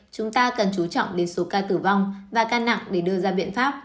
chúng ta cần chú trọng đến số ca tử vong và ca nặng để đưa ra biện pháp